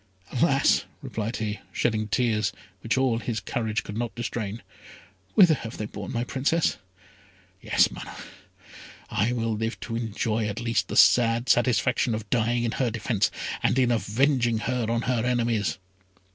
"Alas!" replied he, shedding tears, which all his courage could not restrain, "whither have they borne my Princess? Yes, Mana! I will live to enjoy at least the sad satisfaction of dying in her defence, and in avenging her on her enemies!"